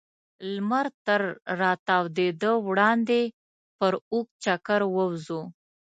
لمر تر راتودېدا وړاندې پر اوږد چکر ووځو.